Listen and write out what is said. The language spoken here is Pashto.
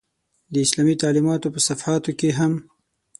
د اسلامي تعلمیاتو په صفحاتو کې هم.